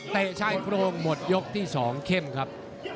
ชายโครงหมดยกที่๒เข้มครับ